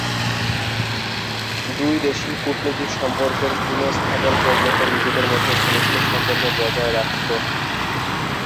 দুই দেশই কূটনৈতিক সম্পর্কের পুনঃস্থাপন পর্যন্ত নিজেদের মধ্যে ঘনিষ্ঠ সম্পর্ক বজায় রাখত।